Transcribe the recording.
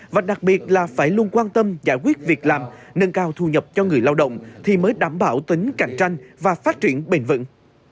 và đặc biệt là phải luôn quan tâm giải quyết việc làm nâng cao thu nhập cho người lao động thì mới đảm bảo tính cạnh tranh và phát triển bền vững